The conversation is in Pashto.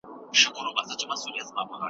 آیا ته به زما په مېلمستیا کې ګډون وکړې؟